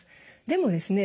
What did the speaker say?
でもですね